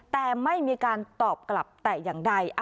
แต่ไม่มีการตอบกลับแต่อย่างใด